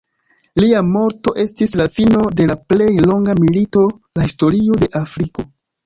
Lia morto estis la fino de la plej longa milito la historio de Afriko.